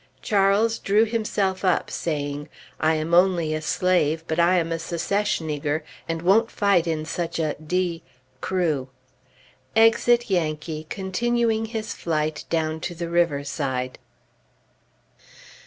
Charles drew himself up, saying, "I am only a slave, but I am a Secesh nigger, and won't fight in such a d crew!" Exit Yankee, continuing his flight down to the riverside.